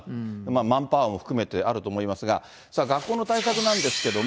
マンパワーも含めてあると思いますが、学校の対策なんですけども。